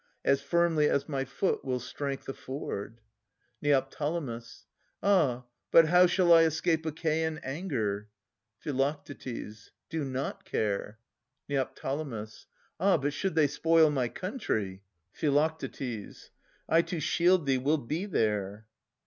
As firmly as my foot will strength afford. Neo. Ah! but how shall I escape Achaean anger? Phi. Do not care! Neo. Ah! but should they spoil my country! Phi. / to shield thee will be there.